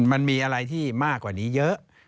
มันมีอะไรที่มากกว่านี้เยอะ